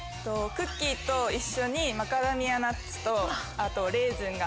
クッキーと一緒にマカダミアナッツとあとレーズンが。